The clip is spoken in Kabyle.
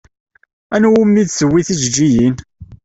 Anwa umi d-tewwi tijeǧǧigin?